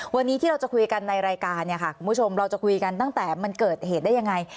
วันนี้ที่เราจะคุยกันในรายการเนี่ยค่ะคุณผู้ชมเราจะคุยกันตั้งแต่มันเกิดเหตุได้ยังไง